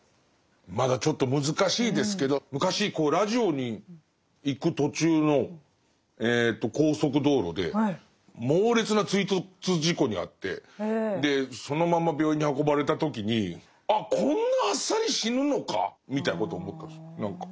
まだちょっと難しいですけど昔ラジオに行く途中の高速道路で猛烈な追突事故に遭ってでそのまま病院に運ばれた時にあこんなあっさり死ぬのかみたいなことを思ったんです何か。